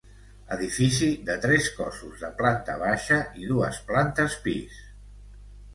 Edifici de tres cossos de planta baixa i dues plantes pis.